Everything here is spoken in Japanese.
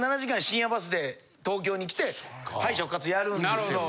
深夜バスで東京に来て敗者復活やるんですよ。